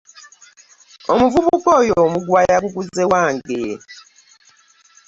Omuvubuka oyo omuguwa yaguguze wange.